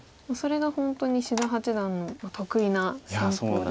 それが本当に志田八段の得意な戦法。